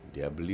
dia beli mason